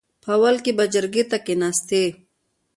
په اول کې به جرګې ته نه کېناستې .